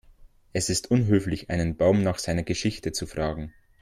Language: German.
Es ist unhöflich, einen Baum nach seiner Geschichte zu fragen.